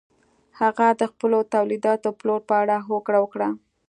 هغه د خپلو تولیداتو پلور په اړه هوکړه وکړه.